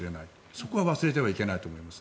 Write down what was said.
そこは忘れてはいけないと思います。